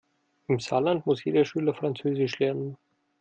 Im Saarland muss jeder Schüler französisch lernen.